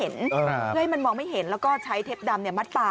นั่นน่ะสิค่ะ